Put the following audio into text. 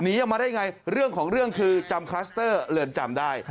ออกมาได้ยังไงเรื่องของเรื่องคือจำคลัสเตอร์เรือนจำได้